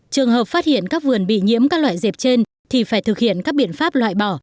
trường hợp phát hiện các vườn bị nhiễm các loại dẹp trên thì phải thực hiện các biện pháp loại bỏ